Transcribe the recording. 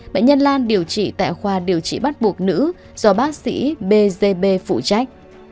bệnh nhân lan điều trị tại khoa điều trị bắt buộc nữ do bác sĩ bzb phụ trách